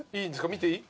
見ていい？